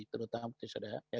terutama peti sodara